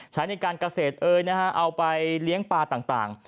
ใช้ในการเกษตรเอยนะฮะเอาไปเลี้ยงปลาต่าง